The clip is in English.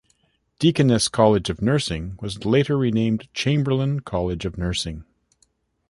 Deaconess College of Nursing was later renamed Chamberlain College of Nursing.